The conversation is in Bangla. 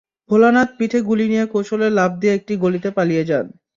ভোলানাথ পিঠে গুলি নিয়ে কৌশলে লাফ দিয়ে একটি গলিতে পালিয়ে যান।